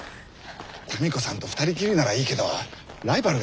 民子さんと二人きりならいいけどライバルがいるんだろ？